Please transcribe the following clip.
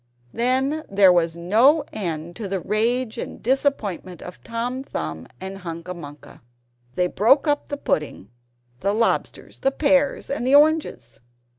Then there was no end to the rage and disappointment of Tom Thumb and Hunca Munca. They broke up the pudding, the lobsters, the pears and the oranges.